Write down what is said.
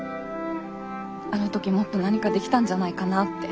あのときもっと何かできたんじゃないかなって。